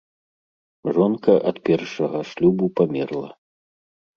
Жонка ад першага шлюбу памерла.